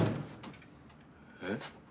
えっ？